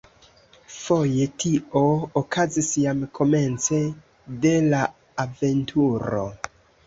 Foje tio okazis jam komence de la aventuro.